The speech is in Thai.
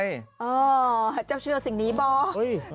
อ้าวเจ้าเชื่อสิ่งนี้บ้า